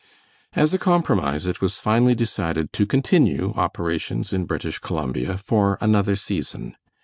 As a compromise it was finally decided to continue operations in British Columbia for another season.